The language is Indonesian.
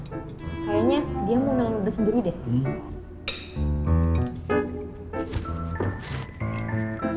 sekarang dia makan bareng sama nona ipa